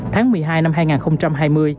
tháng một mươi hai năm hai nghìn hai mươi